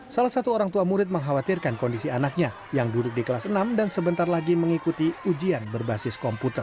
salah satu orang tua murid mengkhawatirkan kondisi anaknya yang duduk di kelas enam dan sebentar lagi mengikuti ujian berbasis komputer